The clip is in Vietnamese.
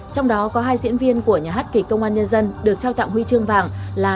trong đó có hai diễn viên của nhà hát kỳ công an nhân dân được trao tặng huy chương vàng là